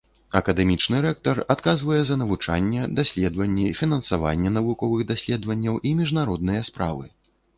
Акадэмічны рэктар адказвае за навучанне, даследаванні, фінансаванне навуковых даследаванняў і міжнародныя справы.